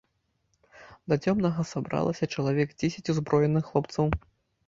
Да цёмнага сабралася чалавек дзесяць узброеных хлопцаў.